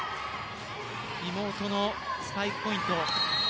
妹のスパイクポイント。